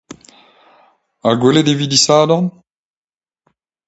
Ha gwelet e vi disadorn ?